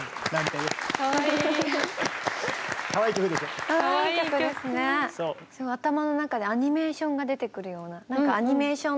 頭の中でアニメーションが出てくるような。